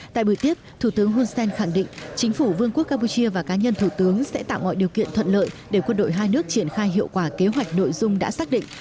tại buổi tiếp thủ tướng hun sen khẳng định chính phủ vương quốc campuchia và cá nhân thủ tướng sẽ tạo mọi điều kiện thuận lợi để quân đội hai nước triển khai hiệu quả kế hoạch nội dung đã xác định